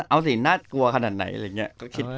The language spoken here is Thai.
เอาสิน่ากลัวขนาดไหนอะไรอย่างนี้